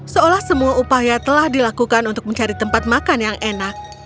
seolah semua upaya telah dilakukan untuk mencari tempat makan yang enak